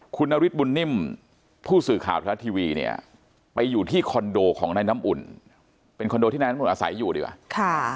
คุณนฤทธบุญนิ่มผู้สื่อข่าวทรัฐทีวีเนี่ยไปอยู่ที่คอนโดของนายน้ำอุ่นเป็นคอนโดที่นายน้ำอุ่นอาศัยอยู่ดีกว่าค่ะ